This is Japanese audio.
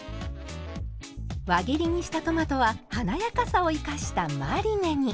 輪切りにしたトマトは華やかさを生かしたマリネに。